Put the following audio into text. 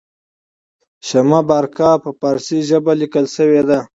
شمه بارقه په پارسي ژبه لیکل شوې ده.